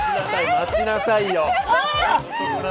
待ちなさいよ。